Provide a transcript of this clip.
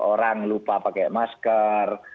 orang lupa pakai masker